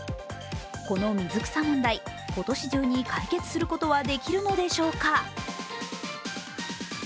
この水草問題、今年中に解決することはできるのでしょうか。